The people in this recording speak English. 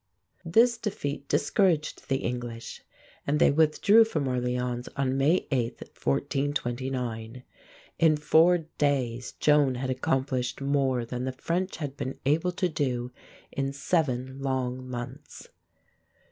This defeat discouraged the English, and they withdrew from Orléans on May 8, 1429. In four days Joan had accomplished more than the French had been able to do in seven long months.